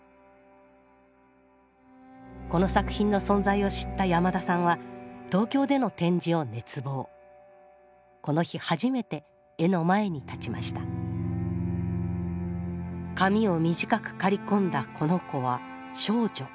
この作品の存在を知った山田さんは東京でのこの日初めて絵の前に立ちました髪を短く刈り込んだこの子は少女。